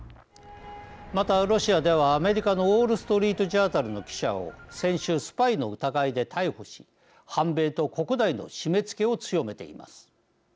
またロシアではアメリカのウォール・ストリート・ジャーナルの記者を先週スパイの疑いで逮捕し反米と国内の締めつけを強めています。